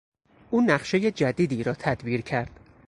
او نقشهی جدیدی را تدبیر کرد.